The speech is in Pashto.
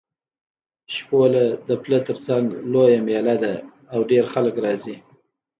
شپوله د پله تر څنګ لویه مېله ده او ډېر خلک راځي.